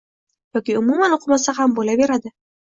yoki umuman o’qimasa ham bo’laveradi